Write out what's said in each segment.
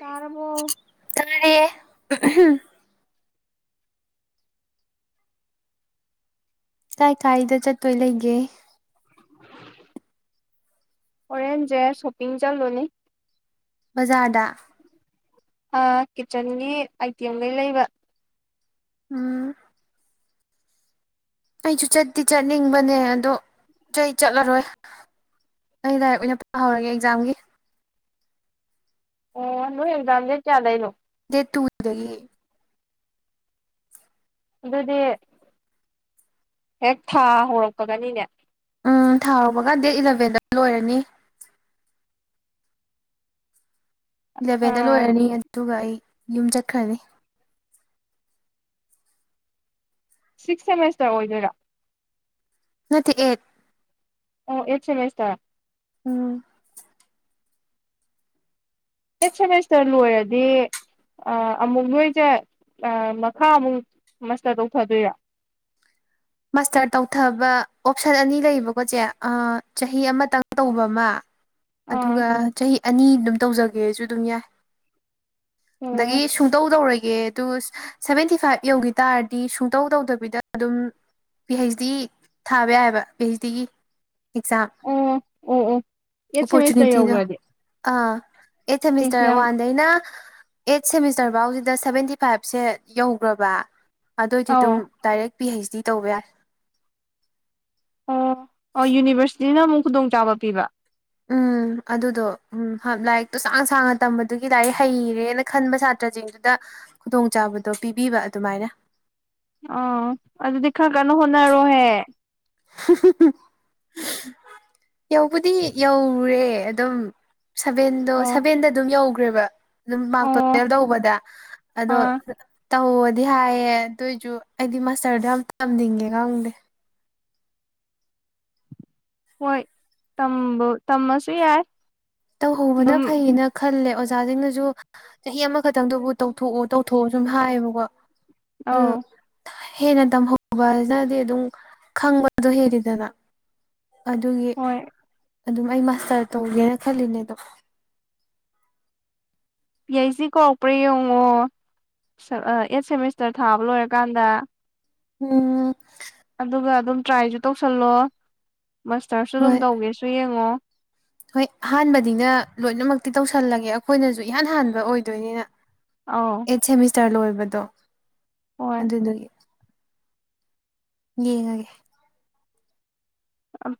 ꯇꯥꯔꯕꯣ ꯇꯜꯂꯦ ꯑꯍꯝ ꯀꯥꯏ ꯀꯥꯏꯗ ꯆꯠꯇꯣꯏ ꯂꯩꯒꯦ ꯍꯣꯔꯦꯟꯖꯦ ꯁꯣꯄꯤꯡ ꯆꯠꯂꯨꯅꯤ ꯕꯖꯥꯔꯗ ꯑꯥ ꯀꯤꯠꯆꯟꯒꯤ ꯑꯥꯏꯇꯦꯝꯒꯩ ꯂꯩꯕ ꯎꯝ ꯑꯩꯁꯨ ꯆꯠꯇꯤ ꯆꯠꯅꯤꯡꯕꯅꯦ ꯑꯗꯣ ꯑꯩ ꯆꯠꯂꯔꯣꯏ ꯑꯩ ꯂꯥꯏꯔꯤꯛ ꯑꯣꯏꯅ ꯄꯥꯍꯧꯔꯒꯦ ꯑꯦꯛꯖꯥꯝꯒꯤ ꯑꯣ ꯅꯣꯏ ꯑꯦꯛꯖꯥꯝ ꯗꯦꯠ ꯀꯌꯥꯗꯩꯅꯣ ꯗꯦꯠ ꯇꯨꯗꯒꯤ ꯑꯗꯨꯗꯤ ꯍꯦꯛ ꯊꯥ ꯍꯧꯔꯛꯄꯒꯅꯤꯅꯦ ꯎꯝ ꯊꯥ ꯍꯧꯕꯒ ꯗꯦꯠ ꯏꯜꯂꯚꯦꯟꯗ ꯂꯣꯏꯔꯅꯤ ꯏꯜꯂꯚꯦꯟꯗ ꯂꯣꯏꯔꯅꯤ ꯑꯗꯨꯒ ꯑꯩ ꯌꯨꯝ ꯆꯠꯈ꯭ꯔꯅꯤ ꯁꯤꯛꯁ ꯁꯦꯃꯤꯁꯇ꯭ꯔ ꯑꯣꯏꯗꯣꯏꯔ ꯅꯠꯇꯦ ꯑꯦꯠ ꯑꯣ ꯑꯦꯠ ꯁꯦꯃꯤꯁꯇ꯭ꯔ ꯎꯝ ꯑꯦꯠ ꯁꯦꯃꯦꯁꯇ꯭ꯔ ꯂꯣꯏꯔꯗꯤ ꯑꯥ ꯑꯃꯨꯛ ꯅꯣꯏꯖꯦ ꯑ ꯃꯈꯥꯃꯨꯛ ꯃꯥꯁꯇ꯭ꯔ ꯇꯧꯊꯗꯣꯏꯔꯣ ꯃꯥꯁꯇ꯭ꯔ ꯇꯧꯊꯕ ꯑꯣꯞꯁꯟ ꯑꯅꯤ ꯂꯩꯕꯀꯣ ꯆꯦ ꯑꯥ ꯆꯍꯤ ꯑꯃꯇꯪ ꯇꯧꯕꯃ ꯑꯥ ꯑꯗꯨꯒ ꯆꯍꯤ ꯑꯅꯤ ꯑꯗꯨꯝ ꯇꯧꯖꯒꯦꯁꯨ ꯑꯗꯨꯝ ꯌꯥꯏ ꯑꯣ ꯗꯒꯤ ꯁꯨꯡꯇꯧ ꯇꯧꯔꯣꯏ ꯒꯦ ꯑꯗꯨ ꯁꯦꯚꯦꯟꯇꯤ ꯐꯥꯏꯚ ꯌꯧꯒꯤ ꯇꯥꯔꯗꯤ ꯁꯨꯡꯇꯧ ꯇꯧꯗꯕꯤꯗ ꯑꯗꯨꯝ ꯄꯤ ꯑꯩꯩꯁ ꯗꯤ ꯊꯥꯕ ꯌꯥꯏꯕ ꯄꯤ ꯑꯩꯩꯁ ꯗꯤꯒꯤ ꯑꯦꯛꯖꯥꯝ ꯑꯣ ꯑꯣ ꯑꯣ ꯑꯩꯠ ꯁꯦꯃꯦꯁꯇꯔ ꯑꯣꯄꯣꯔꯆꯨꯅꯤꯇꯤꯗꯣ ꯌꯧꯈ꯭ꯔꯗꯤ ꯑꯥ ꯑꯩꯠ ꯑꯦ ꯁꯦꯃꯤꯁꯇ꯭ꯔ ꯌꯥꯝ ꯋꯥꯟꯗꯩꯅ ꯑꯦꯠ ꯁꯦꯃꯤꯁꯇ꯭ꯔ ꯐꯥꯎꯁꯤꯗ ꯁꯚꯦꯟꯇꯤ ꯐꯥꯏꯚꯁꯦ ꯌꯧꯒꯔꯕ ꯑꯗꯨꯑꯣꯏꯗꯤ ꯑꯗꯨꯝ ꯑꯧ ꯗꯥꯏꯔꯦꯛ ꯄꯤ ꯍꯩꯁ ꯗꯤ ꯇꯧꯕ ꯌꯥꯔꯦ ꯑꯣ ꯑꯣ ꯌꯨꯅꯤꯚ꯭ꯔꯁꯤꯇꯤꯅ ꯑꯃꯨꯛ ꯈꯨꯗꯣꯡꯆꯥꯥꯕ ꯄꯤꯕ ꯎꯝ ꯑꯗꯨꯗꯣ ꯎꯝ ꯍ ꯂꯥꯏꯔꯤꯛꯇꯣ ꯁꯥꯡ ꯁꯥꯡꯅ ꯇꯝꯕꯗꯨꯒꯤ ꯂꯥꯏꯔꯤꯛ ꯍꯩꯔꯦꯅ ꯈꯟꯕ ꯁꯥꯇ꯭ꯔꯁꯤꯡ ꯗꯨꯗ ꯈꯨꯗꯣꯡꯆꯥꯕꯗꯣ ꯄꯤꯕꯤꯕ ꯑꯗꯨꯃꯥꯏꯅ ꯑꯣ ꯑꯗꯨꯗꯤ ꯈꯥꯔ ꯀꯟꯅ ꯍꯣꯠꯅꯔꯣꯍꯦ ꯍꯝ ꯍꯝ ꯌꯧꯕꯨꯗꯤ ꯌꯧꯔꯦ ꯑꯗꯨꯝ ꯁꯚꯦꯟꯗꯣ ꯑꯣ ꯁꯚꯦꯟꯗ ꯑꯗꯨꯝ ꯌꯧꯒ꯭ꯔꯦꯕ ꯑꯗꯨꯝ ꯃꯥꯛ ꯑꯣ ꯇꯣꯇꯦꯜ ꯇꯧꯕꯗ ꯑꯗꯣ ꯑꯥ ꯇꯧꯑꯣꯗꯤ ꯍꯥꯏꯌꯦ ꯑꯗꯨꯏꯖꯨ ꯑꯩꯗꯤ ꯃꯥꯁꯇꯔꯗꯣ ꯌꯥꯝ ꯇꯝꯅꯤꯡꯒꯦ ꯈꯪꯗꯦ ꯍꯣꯏ ꯇꯝꯕ ꯇꯝꯃꯁꯨ ꯌꯥꯏ ꯇꯧꯍꯧꯕꯅ ꯑꯗꯨꯝ ꯐꯩꯌꯦꯅ ꯈ ꯈꯜꯂꯦ ꯑꯣꯖꯥꯖꯤꯡꯅꯁꯨ ꯆꯍꯤ ꯑꯃꯈꯛꯇꯪꯗꯨꯕꯨ ꯇꯧꯊꯣꯛꯑꯣ ꯇꯧꯊꯣꯛꯑꯣ ꯁꯨꯝ ꯍꯥꯏꯌꯦꯕꯀꯣ ꯑꯗꯨ ꯑꯧ ꯍꯦꯟꯅ ꯇꯝꯍꯧꯕꯖꯅꯗꯤ ꯑꯗꯨꯝ ꯈꯪꯕꯗꯣ ꯍꯦꯜꯂꯤꯗꯅ ꯑꯗꯨꯒꯤ ꯍꯣꯏ ꯑꯗꯨꯝ ꯑꯩ ꯃꯥꯁꯇꯔ ꯇꯧꯒꯦꯅ ꯈꯜꯂꯤꯅꯦꯗꯣ ꯄꯤ ꯑꯩꯁ ꯗꯤ ꯀꯣꯔꯛꯄ꯭ꯔꯥ ꯌꯦꯡꯉꯣ ꯁꯠ ꯑ ꯑꯦꯠ ꯁꯦꯃꯤꯁꯇꯔ ꯊꯥꯕ ꯂꯣꯏꯔꯀꯥꯟꯗ ꯎꯝ ꯑꯗꯨꯒ ꯑꯗꯨꯝ ꯇ꯭ꯔꯥꯏꯁꯨ ꯇꯧꯁꯜꯂꯣ ꯃꯁꯇꯔꯁꯨ ꯑꯗꯨꯝ ꯍꯣꯏ ꯇꯧꯒꯦꯁꯨ ꯌꯦꯡꯉꯣ ꯍꯣꯏ ꯑꯍꯥꯟꯕꯅꯤꯅ ꯂꯣꯏꯅꯃꯛꯇꯤ ꯇꯧꯁꯜꯂꯒꯦ ꯑꯩꯈꯣꯏꯅꯁꯨ ꯏꯍꯥꯟ ꯍꯥꯟꯕ ꯑꯣꯏꯗꯣꯏꯅꯤꯅ ꯑꯧ [unintelligible] ꯂꯣꯏꯕꯗꯣ ꯍꯣꯏ ꯑꯗꯨꯗꯨꯒꯤ ꯌꯦꯉꯒꯦ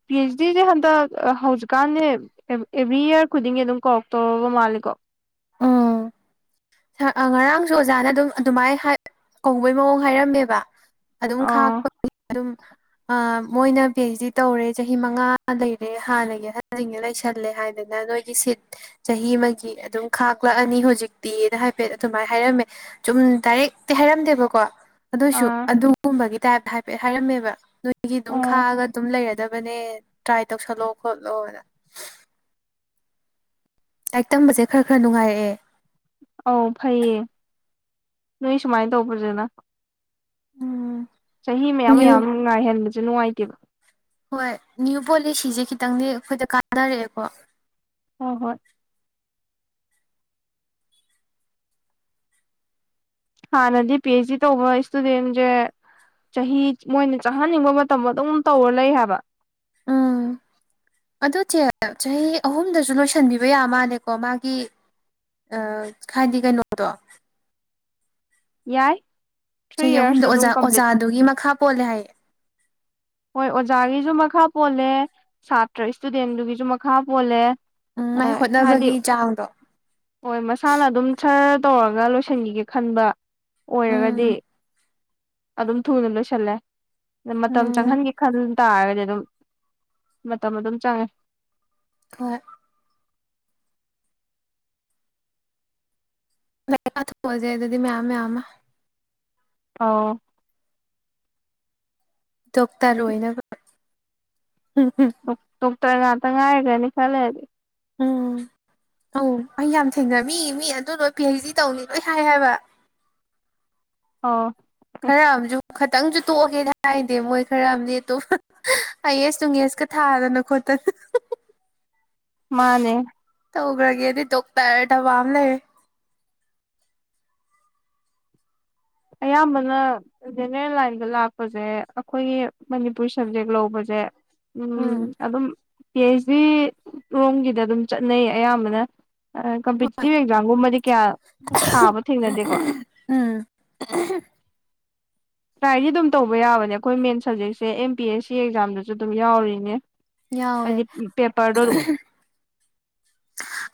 ꯄꯤ ꯑꯩꯁ ꯗꯤꯖꯦ ꯍꯟꯗꯛ ꯍꯧꯖꯤꯛꯀꯥꯟꯅꯦ ꯑꯦ ꯑꯦꯚ꯭ꯔꯤ ꯌꯥꯔ ꯈꯨꯗꯤꯡꯒꯤ ꯑꯗꯨꯝ ꯀꯧꯔꯛꯇꯧꯕ ꯃꯥꯂꯤꯀꯣ ꯁ ꯑ ꯉꯔꯥꯡꯁꯨ ꯑꯣꯖꯥꯅ ꯑꯗꯨꯝ ꯑꯗꯨꯃꯥꯏ ꯍꯥꯏ ꯀꯧꯕꯩ ꯃꯑꯣꯡ ꯍꯥꯏꯔꯝꯃꯦꯕ ꯑꯗꯨꯝ ꯑꯥ ꯈꯥꯛꯄꯒꯤ ꯑꯗꯨꯝ ꯑꯥ ꯃꯣꯏꯅ ꯄꯤ ꯑꯩꯩꯁ ꯗꯤ ꯇꯧꯔꯦ ꯆꯍꯤ ꯃꯉꯥ ꯂꯩꯔꯦ ꯍꯥꯟꯅꯒꯤ ꯑꯍꯟꯖꯤꯡ ꯂꯩꯁꯜꯂꯦ ꯍꯥꯏ ꯑꯗꯨꯅ ꯅꯣꯏꯒꯤ ꯁꯤꯠ ꯆꯍꯤ ꯑꯃꯒꯤ ꯑꯗꯨꯝ ꯈꯥꯛꯂꯛꯑꯅꯤ ꯍꯧꯖꯤꯛꯇꯤ ꯍꯥꯏꯐꯦꯠ ꯑꯗꯨꯃꯥꯏꯅ ꯍꯥꯏꯔꯝꯃꯦ ꯆꯨꯝ ꯗꯥꯏꯔꯦꯛꯇꯤ ꯍꯥꯏꯔꯝꯗꯦꯕꯀꯣ ꯑꯗꯨꯏꯁꯨ ꯑꯥ ꯑꯗꯨꯒꯨꯝꯕꯒꯤ ꯇꯥꯢꯞ ꯍꯥꯏꯐꯦꯠ ꯍꯥꯏꯔꯝꯃꯦꯕ ꯅꯣꯏꯒꯤ ꯑꯗꯨꯝ ꯑꯣ ꯈꯥꯛꯑꯒ ꯑꯗꯨꯝ ꯂꯩꯔꯦ ꯗꯕꯅꯦ ꯇ꯭ꯔꯥꯏ ꯇꯧꯁꯜꯂꯣ ꯈꯣꯠꯂꯣꯅ ꯂꯥꯏꯛ ꯇꯝꯕꯖꯦ ꯈꯔ ꯈꯔ ꯅꯨꯡꯉꯥꯏꯔꯛꯑꯦ ꯑꯧ ꯐꯩꯌꯦ ꯅꯣꯏ ꯁꯨꯃꯥꯏꯅ ꯇꯧꯕꯁꯤꯅ ꯎꯝ ꯆꯍꯤ ꯃꯌꯥꯝ ꯅ꯭ꯌꯨ ꯃꯌꯥꯝ ꯉꯥꯏꯍꯟꯕꯖꯦ ꯅꯨꯡꯉꯥꯏꯇꯦꯕ ꯍꯣꯏ ꯅ꯭ꯌꯨ ꯄꯣꯂꯤꯁꯤꯁꯦ ꯈꯤꯇꯪꯗꯤ ꯑꯩꯈꯣꯏꯗ ꯀꯥꯟꯅꯔꯛꯑꯦꯀꯣ ꯍꯣꯏ ꯍꯣꯏ ꯍꯥꯟꯅꯗꯤ ꯄꯤ ꯑꯩꯁ ꯗꯤ ꯇꯧꯕ ꯏꯁꯇꯨꯗꯦꯟꯖꯦ ꯆꯍꯤ ꯃꯣꯏꯅ ꯆꯥꯍꯟꯅꯤꯡꯕ ꯃꯇꯝ ꯑꯗꯨꯝ ꯇꯧꯔ ꯂꯩ ꯍꯥꯏꯕ ꯎꯝ ꯑꯗꯨ ꯆꯦ ꯆꯍꯤ ꯑꯍꯨꯝꯗꯖꯨ ꯂꯣꯏꯁꯤꯟꯕꯤꯕ ꯌꯥ ꯃꯥꯜꯂꯦꯀꯣ ꯃꯥꯒꯤ ꯑ ꯈꯥꯢꯗꯤ ꯀꯩꯅꯣꯗꯣ ꯌꯥꯏ ꯊ꯭ꯔꯤ ꯆꯍꯤ ꯑꯍꯨꯝꯗ ꯌꯔꯁꯇ ꯑꯗꯨꯝ ꯑꯣꯖꯥ ꯀꯝꯄ꯭ꯂꯤꯠ ꯑꯣꯖꯥꯗꯨꯒꯤ ꯃꯈꯥ ꯄꯣꯜꯂꯦ ꯍꯥꯏꯌꯦ ꯍꯣꯏ ꯑꯣꯖꯥꯒꯤꯁꯨ ꯃꯈꯥ ꯄꯣꯜꯂꯦ ꯁꯥꯇ꯭ꯔ ꯏꯁꯇꯨꯗꯦꯟꯗꯨꯒꯤꯁꯨ ꯃꯈꯥ ꯄꯣꯜꯂꯦ ꯎꯝ ꯍ ꯃꯥꯏ ꯍꯥꯏꯗꯤ ꯍꯣꯠꯅꯕꯒꯤ ꯆꯥꯡꯗꯣ ꯍꯣꯏ ꯃꯁꯥꯅ ꯑꯗꯨꯝ ꯁꯔ ꯇꯧꯔꯒ ꯂꯣꯏꯁꯤꯟꯈꯤꯒꯦ ꯈꯟꯕ ꯑꯣꯏꯔꯒꯗꯤ ꯎꯝ ꯑꯗꯨꯝ ꯊꯨꯅ ꯂꯣꯏꯁꯜꯂꯦ ꯃꯇꯝ ꯎꯝ ꯆꯪꯍꯟꯒꯦ ꯈꯟ ꯇꯥꯔꯒꯗꯤ ꯑꯗꯨꯝ ꯃꯇꯝ ꯑꯗꯨꯝ ꯆꯪꯉꯦ ꯍꯣꯏ ꯂꯥꯢꯔꯤꯛ ꯄꯥꯊꯣꯛ ꯑꯁꯦ ꯑꯗꯨꯗꯤ ꯃꯌꯥꯝ ꯃꯌꯥꯝ ꯑꯃ [unintelligible] ꯑꯣ ꯗꯣꯛꯇꯔ ꯑꯣꯏꯅꯕ ꯑꯨꯝꯍꯨꯝ ꯗꯣꯛꯇꯔ ꯉꯥꯠꯇ ꯉꯥꯏꯒ꯭ꯔꯅꯤ ꯈꯔ ꯂꯩꯔꯗꯤ ꯎꯝ ꯑꯧ ꯑꯩ ꯌꯥꯝ ꯊꯦꯡꯅꯃꯤ ꯃꯤ ꯑꯗꯨ ꯂꯣꯢ ꯄꯤ ꯑꯩꯆ ꯗꯤ ꯇꯧꯅꯤ ꯂꯣꯏ ꯍꯥꯏ ꯍꯥꯏꯕ [inaudible] ꯑꯣ ꯈꯔ ꯑꯝꯖꯨ ꯈꯇꯪꯁꯨ ꯇꯣꯛꯑꯒꯦꯗꯤ ꯍꯥꯏꯗꯦ ꯃꯣꯏ ꯈꯔ ꯑꯃꯗꯤ ꯇꯣ ꯑꯥꯢ ꯌꯦꯁ ꯅꯨꯡꯌꯦꯁꯀ ꯊꯥꯗꯅ ꯈꯣ [unintelligible] ꯃꯥꯅꯦ ꯇꯧꯒ꯭ꯔꯒꯦ ꯑꯗꯨ ꯗꯣꯛꯇꯔ ꯇꯝꯕ ꯑꯝ ꯂꯩꯔꯦ ꯑꯌꯥꯝꯕꯅ ꯖꯦꯅꯦꯔꯦꯜ ꯂꯥꯏꯟꯗ ꯂꯥꯛꯄꯁꯦ ꯑꯩꯈꯣꯏꯒꯤ ꯃꯅꯤꯄꯨꯔꯤ ꯁꯕꯖꯦꯛ ꯂꯧꯕꯖꯦ ꯎꯝ ꯑꯗꯨꯝ ꯄꯤ ꯑꯩꯆ ꯗꯤ ꯔꯣꯝꯒꯤꯗ ꯑꯗꯨꯝ ꯆꯠꯅꯩ ꯑꯌꯥꯝꯕꯅ ꯑꯥ ꯀꯝꯄꯤꯇꯤꯇꯤꯚ ꯑꯦꯛꯖꯥꯝꯒꯨꯝꯕꯗꯤ ꯀꯌꯥ ꯊꯥꯕ ꯊꯦꯡꯅꯗꯦꯀꯣ ꯎꯝ [unintelligible] ꯇ꯭ꯔꯥꯏꯗꯤ ꯑꯗꯨꯝ ꯇꯧꯕ ꯌꯥꯕꯅꯦ ꯑꯩꯈꯣꯏ ꯃꯦꯟ ꯁꯕꯖꯦꯛꯁꯦ ꯑꯦꯝ ꯄꯤ ꯑꯦꯁ ꯁꯤ ꯑꯦꯛꯖꯥꯝꯗꯁꯨ ꯑꯗꯨꯝ ꯌꯥꯎꯔꯤꯅꯦ ꯌꯥꯎꯋꯦ ꯍꯥꯏꯗꯤ ꯄꯦꯄꯔꯗꯣ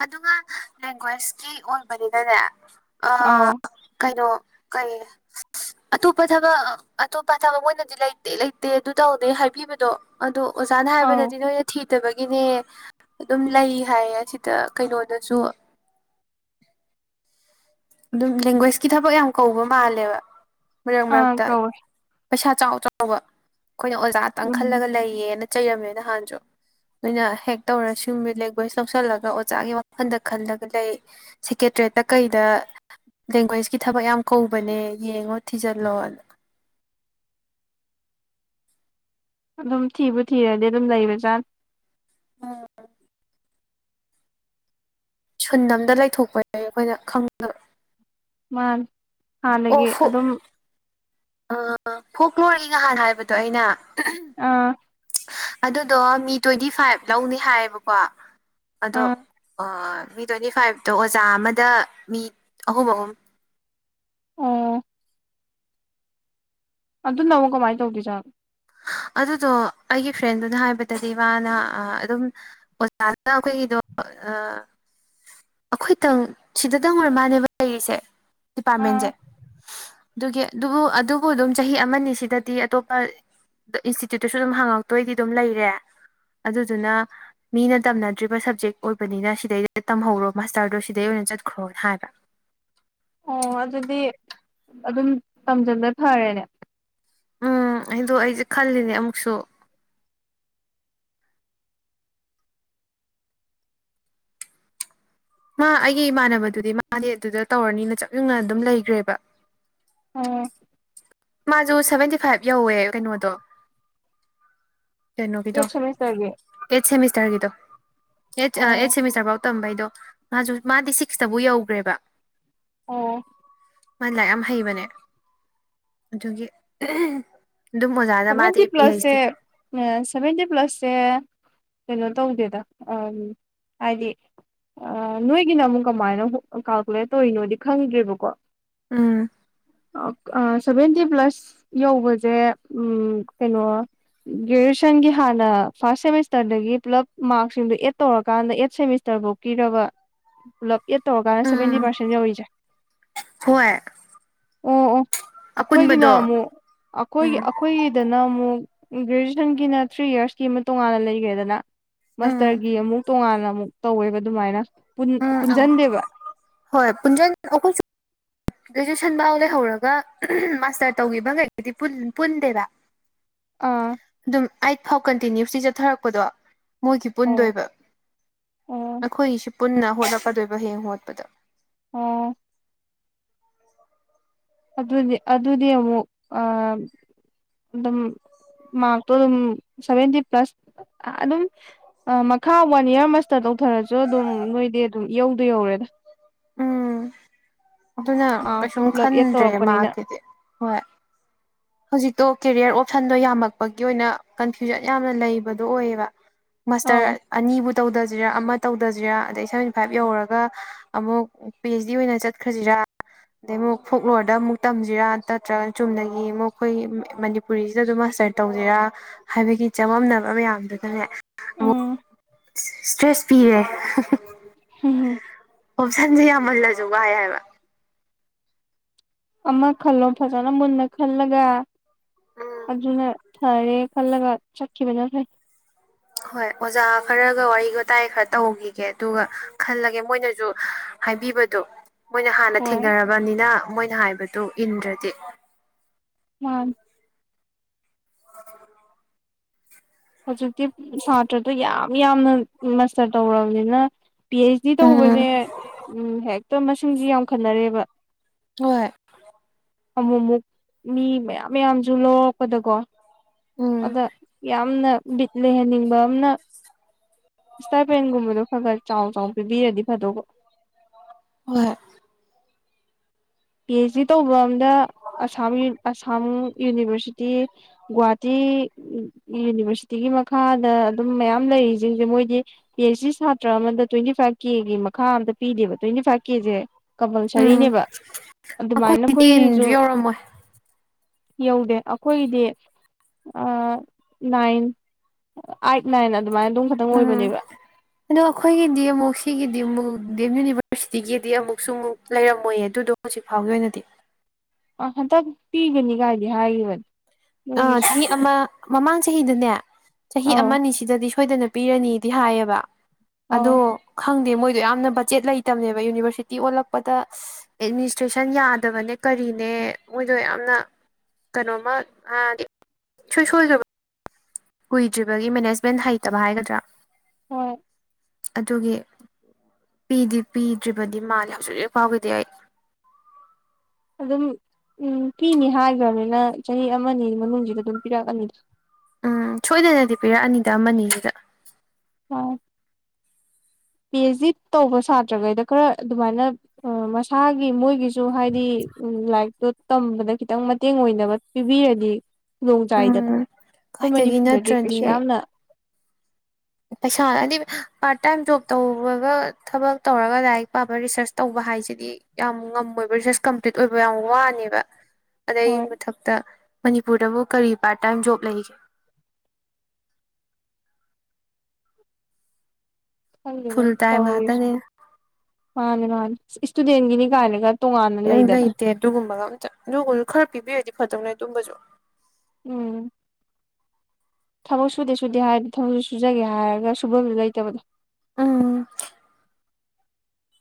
ꯑꯗꯨꯒ ꯂꯦꯡꯒ꯭ꯋꯦꯁꯀꯤ ꯑꯣꯏꯕꯅꯤꯅꯅꯦ ꯑꯥ ꯑꯧ ꯀꯩꯅꯣ ꯀꯩ ꯑꯇꯣꯞꯄ ꯊꯕꯛ ꯑꯇꯣꯞꯄ ꯊꯕꯛ ꯃꯣꯏꯅꯗꯤ ꯂꯩꯇꯦ ꯂꯩꯇꯦ ꯑꯗꯨ ꯇꯧꯗꯦ ꯍꯥꯏꯕꯤꯕꯗꯣ ꯑꯗꯣ ꯑꯣꯖꯥꯅ ꯑꯧ ꯍꯥꯏꯕꯗꯗꯤ ꯅꯣꯏꯅ ꯊꯤꯗꯕꯒꯤꯅꯦ ꯑꯗꯨꯝ ꯂꯩ ꯍꯥꯏꯌꯦ ꯁꯤꯗ ꯀꯩꯅꯣꯗꯖꯨ ꯑꯗꯨꯝ ꯂꯦꯡꯒ꯭ꯋꯦꯁꯀꯤ ꯊꯕꯛ ꯌꯥꯝ ꯀꯧꯕ ꯃꯥꯜꯂꯦꯕ ꯃꯔꯛ ꯑꯥ ꯃꯔꯛꯇ ꯀꯧꯋꯦ ꯄꯩꯁꯥ ꯆꯥꯎ ꯆꯥꯎꯕ ꯑꯩꯈꯣꯏꯅ ꯑꯣꯖꯥꯇꯪ ꯎꯝ ꯈꯜꯂꯒ ꯂꯩꯌꯦꯅ ꯆꯩꯔꯝꯃꯦ ꯅꯍꯥꯟꯁꯨ ꯅꯣꯏꯅ ꯍꯦꯛ ꯇꯧꯔꯁꯨ ꯃꯦꯠ ꯂꯦꯡꯒ꯭ꯋꯦꯖ ꯂꯧꯁꯤꯜꯂꯒ ꯑꯣꯖꯥꯒꯤ ꯋꯥꯈꯜꯗ ꯈꯜꯂꯒ ꯂꯩ ꯁꯦꯀꯦ ꯇ꯭ꯔꯦꯠꯇ ꯀꯩꯗ ꯂꯦꯡꯒ꯭ꯋꯦꯁꯀꯤ ꯊꯕꯛ ꯌꯥꯝ ꯀꯧꯕꯅꯦ ꯌꯦꯡꯉꯣ ꯊꯤꯖꯜꯂꯣꯅ [inaudible] ꯑꯗꯨꯝ ꯊꯤꯕꯨ ꯊꯤꯔꯗꯤ ꯑꯗꯨꯝ ꯂꯩꯕꯖꯥꯠꯅꯤ ꯁꯨꯟ ꯑꯝꯗ ꯂꯩꯊꯣꯛꯄ ꯅꯦ ꯑꯩꯈꯣꯏꯅ ꯈꯪꯗꯕ ꯃꯥꯅꯦ ꯍꯥꯟꯅꯒꯤ ꯑꯗꯨꯝ ꯑꯥ ꯐꯣꯛꯂꯣꯔꯒꯤꯒ ꯅꯍꯥꯟ ꯍꯥꯏꯕꯗꯣ ꯑꯩꯅ ꯑꯥ ꯑꯗꯨꯗꯣ ꯃꯤ ꯇ꯭ꯋꯦꯟꯇꯤ ꯐꯥꯏꯚ ꯂꯧꯅꯤ ꯍꯥꯏꯌꯦꯕꯀꯣ ꯑꯗꯣ ꯑꯥ ꯑꯥ ꯃꯤ ꯇ꯭ꯋꯦꯟꯇꯤ ꯐꯥꯏꯚ ꯇꯣ ꯑꯣꯖꯥ ꯑꯃꯗ ꯃꯤ ꯑꯍꯨꯝ ꯑꯍꯨꯝ ꯑꯣ ꯑꯗꯨꯅꯥ ꯑꯃꯨꯛ ꯀꯃꯥꯏ ꯇꯧꯗꯣꯏꯖꯥꯠꯅꯣ ꯑꯗꯨꯗꯣ ꯑꯩꯒꯤ ꯐ꯭ꯔꯦꯟꯗꯨꯅ ꯍꯥꯏꯕꯗꯗꯤ ꯃꯥꯅ ꯑꯥ ꯑꯗꯨꯝ ꯑꯣꯖꯥꯅ ꯑꯩꯈꯣꯏꯒꯤꯗꯣ ꯑꯥ ꯑꯩꯈꯣꯏꯇꯪ ꯁꯤꯗꯇꯪ ꯑꯣꯏꯔ ꯃꯥꯜꯂꯦꯕ ꯂꯩꯔꯤꯁꯦ ꯑꯥ ꯗꯤꯄꯥ꯭ꯔ꯭ꯠꯃꯦꯟꯖꯦ ꯑꯗꯨꯒꯤ ꯑꯗꯨꯕꯨ ꯑꯗꯨꯕꯨ ꯑꯗꯨꯝ ꯆꯍꯤ ꯑꯃꯅꯤ ꯁꯤꯗꯗꯤ ꯑꯇꯣꯞꯄ ꯏꯟꯁꯇꯤꯇ꯭ꯌꯨꯠꯇꯁꯨ ꯑꯗꯨꯝ ꯍꯪꯉꯛꯇꯣꯏꯗꯤ ꯑꯗꯨꯝ ꯂꯩꯔꯦ ꯑꯗꯨꯗꯨꯅ ꯃꯤꯅ ꯇꯝꯅꯗ꯭ꯔꯤꯕ ꯁꯞꯖꯦꯛ ꯑꯣꯏꯕꯅꯤꯅ ꯁꯤꯗꯩꯗ ꯇꯝꯍꯧꯔꯣ ꯃꯥꯁꯇꯔꯗꯣ ꯁꯤꯗꯩ ꯑꯣꯏꯅ ꯆꯠꯈꯔꯣꯅ ꯍꯥꯢꯕ ꯑꯣ ꯑꯗꯨꯗꯤ ꯑꯗꯨꯝ ꯇꯝꯖꯟꯕ ꯐꯔꯦꯅꯦ ꯎꯝ ꯑꯩꯗꯣ ꯑꯩꯖꯦ ꯈꯜꯂꯤꯅꯦ ꯑꯃꯨꯛꯁꯨ ꯃꯥ ꯑꯩꯒꯤ ꯏꯃꯥꯟꯅꯕꯗꯨꯗꯤ ꯃꯥꯗꯤ ꯑꯗꯨꯗ ꯇꯧꯔꯅꯤꯅ ꯆꯞ ꯌꯨꯡꯅ ꯑꯗꯨꯝ ꯂꯩꯑ꯭ꯔꯦꯕ ꯑꯣ ꯃꯥꯖꯨ ꯁꯚꯦꯟꯇꯤ ꯐꯥꯏꯚ ꯌꯧꯋꯦ ꯀꯩꯅꯣꯗꯣ ꯀꯩꯅꯣꯒꯤꯗꯣ ꯑꯩꯠ ꯁꯦꯃꯤꯁꯇꯔꯒꯤ ꯑꯦꯠ ꯁꯦꯃꯤꯁꯇꯔꯒꯤꯗꯣ ꯑꯦꯠ ꯑꯥ ꯑꯦꯠ ꯑꯣ ꯁꯦꯃꯤꯁꯇꯔꯐꯧꯕ ꯇꯝꯕꯒꯤꯗꯣ ꯃꯥꯖꯨ ꯃꯥꯗꯤ ꯁꯤꯛꯁꯇꯕꯨ ꯌꯧꯒ꯭ꯔꯦꯕ ꯑꯣ ꯃꯥꯥꯏ ꯂꯥꯏꯔꯤꯛ ꯌꯥꯝ ꯍꯩꯕꯅꯦ ꯑꯗꯨꯒꯤ ꯑꯍꯦ ꯁꯕꯦꯟꯇꯤ ꯄ꯭ꯂꯁꯦ ꯁꯕꯦꯟꯇꯤ ꯄ꯭ꯂꯁꯁꯦ ꯀꯩꯅꯣ ꯇꯧꯗꯦꯗ ꯑꯥꯟ ꯍꯥꯏꯗꯤ ꯑꯥ ꯅꯣꯏꯒꯤꯅ ꯑꯃꯨꯛ ꯀꯃꯥꯏꯅ ꯀꯥꯜꯀꯨꯂꯦꯠ ꯇꯧꯔꯤꯅꯣꯗꯤ ꯈꯪꯗ꯭ꯔꯦꯕꯀꯣ ꯎꯝ ꯑꯥ ꯁꯚꯦꯟꯇꯤ ꯄ꯭ꯂꯁ ꯌꯧꯕꯖꯦ ꯎꯝ ꯀꯩꯅꯣ ꯒ꯭ꯔꯦꯖꯨꯑꯦꯁꯟꯒꯤ ꯍꯥꯟꯅ ꯐꯥꯔꯁꯠ ꯁꯦꯃꯤꯁꯇꯔꯗꯒꯤ ꯄꯨꯜꯂꯞ ꯃꯥꯔꯛꯁꯤꯡꯗꯣ ꯑꯦꯠ ꯇꯧꯔꯀꯥꯟꯗ ꯑꯩꯠ ꯁꯦꯃꯤꯁꯇꯔ ꯕꯕꯣꯛꯀꯤꯔꯕ ꯄꯨꯂꯞ ꯑꯦꯠ ꯇꯧꯔꯀꯥꯟꯅ ꯁꯚꯦꯟꯇꯤ ꯎꯝ ꯄꯥꯔꯁꯦꯟ ꯌꯔꯤꯁꯦ ꯍꯣꯏ ꯑꯈꯣꯏꯒꯤꯅ ꯑꯄꯨꯟꯕꯗꯣ ꯑꯃꯨꯛ ꯑꯈꯣꯏꯒꯤ ꯎꯝ ꯑꯥ ꯗꯅ ꯑꯃꯨꯛ ꯒ꯭ꯔꯦꯖꯨꯑꯦꯁꯟꯒꯤꯅ ꯊ꯭ꯔꯤ ꯌꯔꯁꯀꯤ ꯑꯃ ꯇꯣꯉꯥꯟꯅ ꯂꯩꯒ꯭ꯔꯦꯗꯅ ꯎꯝ ꯃꯁꯇꯔꯒꯤ ꯑꯃꯨꯛ ꯇꯣꯉꯥꯟꯅ ꯑꯃꯨꯛ ꯇꯧꯋꯦꯕ ꯑꯗꯨꯃꯥꯏꯅ ꯎꯝ ꯑ ꯄꯨꯟꯁꯤꯟꯗꯦꯕ ꯍꯣꯏ ꯄꯨꯟꯖ ꯑꯈꯣꯢꯁꯨ ꯒ꯭ꯔꯦꯖꯨꯦꯁꯟ ꯕꯥꯎ ꯂꯩꯍꯧꯔꯒ ꯑꯍꯝ ꯃꯥꯁꯇꯔ ꯇꯧꯈꯤꯕꯉꯩꯒꯤꯗꯤ ꯄꯨꯟ ꯄꯨꯟꯗꯦꯕ ꯑꯥ ꯑꯗꯨꯝ ꯑꯩꯠ ꯐꯥꯎ ꯀꯟꯇꯤꯅ꯭ꯨꯁꯂꯤ ꯆꯠꯊꯔꯛꯄꯗꯣ ꯃꯣꯏꯒꯤ ꯑꯣ ꯄꯨꯟꯗꯣꯏꯕ ꯑꯣ ꯑꯩꯈꯣꯏꯒꯤꯁꯨ ꯄꯨꯟꯅ ꯍꯣꯠꯂꯛꯀꯗꯣꯏꯕ ꯍꯌꯦꯡ ꯍꯣꯠꯄꯗ ꯑꯣ ꯑꯗꯨꯅꯦ ꯑꯗꯨꯗꯤ ꯑꯃꯨꯛ ꯑꯥ ꯑꯗꯨꯝ ꯃꯥꯔꯛꯇꯣ ꯑꯗꯨꯝ ꯁꯚꯦꯟꯇꯤ ꯄ꯭ꯂꯁ ꯑꯗꯨꯝ ꯑꯥ ꯃꯈꯥ ꯋꯥꯟ ꯏꯔ ꯃꯁꯇꯔ ꯇꯧꯊꯔꯁꯨ ꯑꯗꯨꯝ ꯅꯣꯏꯗꯤ ꯑꯗꯨꯝ ꯢꯌꯧꯗ ꯌꯧꯔꯦꯗ ꯎꯝ ꯑꯗꯨꯅ ꯃꯥꯔꯛꯇꯣ ꯀꯩꯁꯨꯝ ꯄꯨꯂꯞ ꯑꯦꯠ ꯈꯟꯗ꯭ꯔꯦ ꯇꯧꯔꯛꯄꯅꯤꯅ ꯃꯍꯥꯛꯀꯤꯗꯤ ꯍꯣꯏ ꯍꯧꯖꯤꯛꯇꯣ ꯀꯦꯔꯤꯌꯔ ꯑꯣꯞꯁꯟꯗꯣ ꯌꯥꯝꯃꯛꯄꯒꯤ ꯑꯣꯏꯅ ꯀꯟꯐ꯭ꯌꯨꯖꯟ ꯌꯥꯝꯅ ꯂꯩꯕꯗꯣ ꯑꯣꯏꯌꯦꯕ ꯃꯥꯁꯇꯔ ꯑꯧ ꯑꯅꯤꯕꯨ ꯇꯧꯗꯖꯤꯔꯥ ꯑꯃ ꯇꯧꯗꯖꯤꯔꯥ ꯑꯗꯩ ꯁꯕꯦꯟꯇꯤ ꯐꯥꯏꯚ ꯌꯧꯔꯒ ꯑꯃꯨꯛ ꯄꯤ ꯑꯩꯁ ꯗꯤ ꯑꯣꯏꯅ ꯆꯠꯈ꯭ꯔꯖꯤꯔꯥ ꯑꯗꯩ ꯑꯃꯨꯛ ꯐꯣꯛꯂꯣꯔꯗ ꯑꯃꯨꯛ ꯇꯝꯖꯤꯔꯥ ꯅꯠꯇ꯭ꯔꯒꯅ ꯆꯨꯝꯅꯒꯤ ꯑꯃꯨꯛ ꯑꯩꯈꯣꯏ ꯃꯅꯤꯄꯨꯔꯤꯁꯤꯗꯁꯨ ꯃꯥꯁꯇꯔ ꯇꯧꯁꯤꯔꯥ ꯍꯥꯏꯕꯒꯤ ꯆꯃꯝꯅꯕ ꯃꯌꯥꯝꯗꯨꯗꯅꯦ ꯑꯃꯨꯛ ꯎꯝ ꯏꯁꯇ꯭ꯔꯦꯁ ꯄꯤꯔꯦ ꯍꯥ ꯍꯥ ꯍꯝ ꯑꯣꯞꯁꯟꯖꯦ ꯌꯥꯝꯃꯜꯂꯁꯨ ꯋꯥꯏ ꯍꯥꯏꯕ ꯑꯃ ꯈꯜꯂꯣ ꯐꯖꯅ ꯃꯨꯟꯅ ꯈꯜꯂꯒ ꯑꯗꯨꯅ ꯐꯔꯦ ꯈꯜꯂꯒ ꯆꯠꯈꯤꯕꯅ ꯐꯩ ꯍꯣꯏ ꯑꯣꯖꯥ ꯈꯔꯒ ꯋꯥꯔꯤ ꯋꯇꯥꯏ ꯈꯔ ꯇꯧꯒꯤꯒꯦ ꯑꯗꯨꯒ ꯈꯜꯂꯒꯦ ꯃꯣꯏꯅꯖꯨ ꯍꯥꯏꯕꯤꯕꯗꯣ ꯃꯣꯏꯅ ꯍꯥꯟꯅ ꯍꯣꯏ ꯊꯦꯡꯅꯔꯕꯅꯤꯅ ꯃꯣꯏꯅ ꯍꯥꯏꯕꯗꯨ ꯏꯟꯗ꯭ꯔꯗꯤ ꯃꯥꯅꯦ ꯍꯧꯖꯤꯛꯇꯤ ꯁꯥꯇ꯭ꯔꯗꯣ ꯌꯥꯝ ꯌꯥꯝꯅ ꯃꯁꯇꯔ ꯇꯧꯔꯕꯅꯤꯅ ꯄꯤ ꯑꯩꯆ ꯗꯤ ꯇꯧꯕꯁꯦ ꯎꯝ ꯎꯝ ꯍꯦꯛꯇ ꯃꯁꯤꯡꯖꯦ ꯌꯥꯝꯈꯠꯅꯔꯦꯕ ꯍꯣꯏ ꯑꯃꯨꯛ ꯃꯨꯛ ꯃꯤ ꯃꯌꯥꯝ ꯃꯌꯥꯝꯖꯨ ꯂꯧꯔꯛꯄꯗꯀꯣ ꯎꯝ ꯑꯗ ꯌꯥꯝ ꯑꯅ ꯕꯤꯠ ꯂꯩꯍꯟꯅꯤꯡꯕ ꯑꯃꯅ ꯏꯁ꯭ꯇꯥꯥꯏꯄꯦꯟꯒꯨꯝꯕꯗꯣ ꯈꯔ ꯈꯔ ꯆꯥꯎ ꯆꯥꯎ ꯄꯤꯕꯤꯔꯗꯤ ꯐꯗꯧꯕ ꯍꯣꯏ ꯄꯤ ꯑꯩꯆ ꯗꯤ ꯇꯧꯕ ꯑꯝꯗ ꯑꯁꯥꯝ ꯑꯁꯥꯝ ꯌꯨꯅꯤꯚꯔꯁꯤꯇꯤ ꯒꯨꯍꯥꯇꯤ ꯇꯤ ꯌꯨꯅꯤꯚꯔꯁꯤꯇꯤꯒꯤ ꯃꯈꯥꯗ ꯑꯗꯨꯝ ꯃꯌꯥꯝ ꯂꯩꯔꯤꯖꯤꯡꯖꯦ ꯃꯣꯏꯗꯤ ꯄꯤ ꯑꯩꯆ ꯗꯤ ꯁꯥ ꯁꯥꯠꯇ꯭ꯔ ꯑꯃꯗ ꯇ꯭ꯋꯦꯟꯇꯤ ꯐꯥꯏꯚ ꯀꯦꯒꯤ ꯃꯈꯥ ꯑꯃꯠꯇ ꯄꯤꯗꯦꯕ ꯇ꯭ꯋꯦꯟꯇꯤ ꯐꯥꯏꯚ ꯀꯦꯖꯦ ꯎꯝ ꯀꯝꯄꯜꯁꯔꯤꯅꯦꯕ ꯑꯗꯨꯃꯥꯏꯅ ꯑꯩꯈꯣꯏꯗꯤ ꯑꯈꯣꯏꯒꯤꯖꯨ ꯇꯦꯟꯁꯨ ꯌꯧꯔꯝꯃꯣꯏ ꯌꯧꯗꯦ ꯑꯈꯣꯏꯒꯤꯗꯤ ꯑꯥ ꯅꯥꯏꯟ ꯑꯥꯏꯠ ꯅꯥꯏꯟ ꯑꯗꯨꯃꯥꯏꯅ ꯑꯗꯨꯝ ꯈꯛꯇꯪ ꯎꯝ ꯑꯣꯏꯕꯅꯦꯕ ꯑꯗꯣ ꯑꯩꯈꯣꯏꯒꯤꯗꯤ ꯑꯃꯨꯛ ꯁꯤꯒꯤꯗꯤꯃꯨꯛ ꯗꯦꯝ ꯌꯨꯅꯤꯚꯔꯁꯤꯇꯤꯒꯤꯗꯤ ꯑꯃꯨꯛꯁꯨ ꯑꯃꯨꯛ ꯂꯩꯔꯝꯃꯣꯏꯌꯦ ꯑꯗꯨꯗꯣ ꯍꯧꯖꯤꯛ ꯐꯥꯎꯒꯤ ꯑꯣꯏꯅꯗꯤ ꯑꯥ ꯍꯟꯇꯛ ꯄꯤꯒꯅꯤꯒꯥꯏꯗꯤ ꯍꯥꯏꯒꯤꯕꯅꯤ ꯑꯥ ꯆꯍꯤ ꯑꯃ ꯃꯃꯥꯡ ꯆꯍꯤꯗꯅꯦ ꯆꯍꯤ ꯑꯧ ꯑꯃꯅꯤꯅꯤꯁꯤꯗꯗꯤ ꯁꯣꯏꯗꯅ ꯄꯤꯔꯅꯤꯗꯤ ꯍꯥꯏꯌꯦꯕ ꯑꯗꯣ ꯑꯧ ꯈꯪꯗꯦ ꯃꯣꯏ ꯌꯥꯝꯅ ꯕꯖꯦꯠ ꯂꯩꯇꯕꯅꯦꯕ ꯌꯨꯅꯤꯕꯔꯁꯤꯇꯤ ꯑꯣꯜꯂꯛꯄꯗ ꯑꯦꯗꯃꯤꯅꯤꯁꯇ꯭ꯔꯦꯁꯟ ꯌꯥꯗꯕꯅꯦ ꯀꯔꯤꯅꯦ ꯃꯣꯏꯗꯣ ꯌꯥꯝꯅ ꯀꯩꯅꯣꯝꯃ ꯍꯥꯏ ꯏꯁꯣꯏꯁꯣꯏꯗꯕ ꯀꯨꯏꯗ꯭ꯔꯤꯕꯒꯤ ꯃꯦꯅꯦꯁꯃꯦꯟ ꯍꯩꯇꯕ ꯍꯥꯏꯒꯗ꯭ꯔꯥ ꯍꯣꯏ ꯑꯗꯨꯒꯤ ꯄꯤꯗꯤ ꯄꯤꯗ꯭ꯔꯤꯕꯗꯤ ꯃꯥꯂꯦ ꯍꯧꯖꯤꯛ ꯍꯧꯖꯤꯛ ꯐꯥꯎꯒꯤꯗꯤ ꯑꯩ ꯑꯗꯨꯝ ꯎꯝ ꯄꯤꯅꯤ ꯍꯥꯏꯒ꯭ꯔꯃꯅꯤꯅ ꯆꯍꯤ ꯑꯃꯅꯤ ꯃꯅꯨꯡꯖꯤꯗ ꯑꯗꯨꯝ ꯄꯤꯔꯛꯑꯅꯤꯗ ꯎꯝ ꯁꯣꯏꯗꯅꯗꯤ ꯄꯤꯔꯛꯑꯅꯤꯗ ꯑꯃꯅꯤꯖꯤꯗ ꯑꯣ ꯄꯤ ꯑꯩꯆ ꯗꯤ ꯇꯧꯕ ꯁꯥꯇ꯭ꯔꯈꯩꯗ ꯈꯔ ꯑꯗꯨꯃꯥꯏꯅ ꯑ ꯃꯁꯥꯒꯤ ꯃꯣꯏꯒꯤ ꯁꯨ ꯍꯥꯏꯗꯤ ꯂꯥꯏꯔꯤꯛꯇꯣ ꯇꯝꯕꯗ ꯈꯤꯇꯪ ꯃꯇꯦꯡ ꯑꯣꯏꯅꯕ ꯄꯤꯕꯤꯔꯗꯤ ꯅꯣꯡ ꯆꯥꯏꯗꯅ ꯎꯝ ꯑꯩꯈꯣꯏ ꯀꯥꯏꯗꯒꯤ ꯃꯅꯤꯄꯨꯔꯗꯗꯤ ꯅꯠꯇ꯭ꯔꯗꯤ ꯀꯩꯁꯨ ꯌꯥꯝꯅ ꯄꯩꯁꯥ ꯍꯥꯗꯤ ꯄꯥꯔꯠ ꯇꯥꯏꯝ ꯖꯣꯕ ꯇꯧꯕꯒ ꯊꯕꯛ ꯇꯧꯔꯒ ꯂꯥꯏꯔꯤꯛ ꯄꯥꯕ ꯔꯤꯁ꯭ꯔꯁ ꯇꯧꯕ ꯍꯥꯏꯁꯤꯗꯤ ꯌꯥꯝ ꯉꯝꯃꯣꯏꯕ ꯔꯤꯁ꯭ꯔꯁ ꯀꯝꯄ꯭ꯂꯤꯠ ꯑꯣꯏꯕ ꯌꯥꯝ ꯋꯥꯅꯦꯕ ꯑꯗꯩ ꯍꯣꯏ ꯃꯊꯛꯇ ꯃꯅꯤꯄꯨꯔꯗꯕꯨ ꯀꯔꯤ ꯄ꯭ꯔꯥꯠ ꯇꯥꯏꯝ ꯖꯣꯕ ꯂꯩꯒꯦ ꯈꯪꯗꯦꯗ ꯐꯨꯜ ꯇꯥꯏꯝ ꯇꯧꯔꯤꯖꯦ ꯉꯥꯛꯇꯅꯦ ꯃꯥꯅꯦ ꯃꯥꯅꯦ ꯏꯁ꯭ꯇꯨꯗꯦꯟꯒꯤꯅꯤ ꯀꯥꯏꯅꯒ ꯇꯣꯉꯥꯟꯅ ꯑꯝ ꯂꯩꯗꯅ ꯂꯩꯇꯦ ꯑꯗꯨꯒꯨꯝꯕꯒ ꯑꯝꯇ ꯑꯗꯨꯒꯨꯝꯕ ꯈꯔ ꯄꯤꯕꯤꯔꯗꯤ ꯐꯗꯧꯅꯦ ꯑꯗꯨꯝꯕꯖꯨ ꯎꯝ ꯊꯕꯛ ꯁꯨꯗꯦ ꯁꯨꯗꯦ ꯍꯥꯏꯗꯤ ꯊꯕꯛ ꯁꯨꯖꯒꯦ ꯍꯥꯏꯔꯒ ꯁꯨꯐꯝꯖꯨ ꯂꯩꯇꯕꯗꯣ [inaudible]